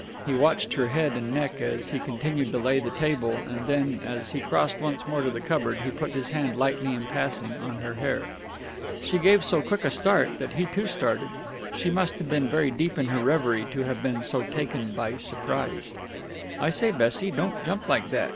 He watched her head and neck as he continued to lay the table, and then, as he crossed once more to the cupboard, he put his hand lightly in passing on her hair. She gave so quick a start that he too started. She must have been very deep in her reverie to have been so taken by surprise. "I say, Bessie, don't jump like that!"